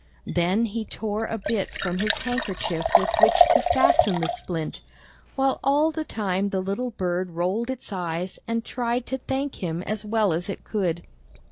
Then he tore a bit from his handkerchief with which to fasten the splint, while all the time the little bird rolled its eyes and tried to thank him as well as it could.